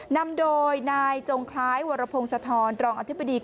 นำโดยนายจงคล้ายวรพงศธรรองอธิบดี